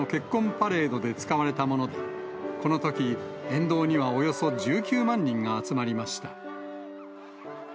パレードで使われたもので、このとき、沿道にはおよそ１９万人が集まりました。